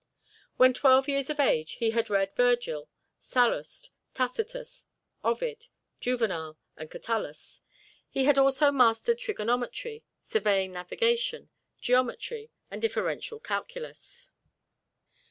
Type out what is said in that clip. When twelve years of age he had read Vergil, Sallust, Tacitus, Ovid, Juvenal and Catullus. He had also mastered trigonometry, surveying, navigation, geometry and differential calculus.